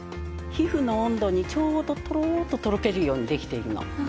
皮膚の温度にちょうどトロッととろけるようにできているの。